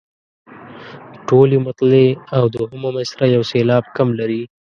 ټولې مطلعې او دوهمه مصرع یو سېلاب کم لري.